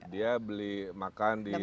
dia beli makan di